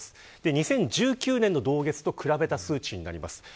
２０１９年の同月と比べた数値になります。